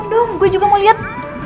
aduh gue juga mau lihat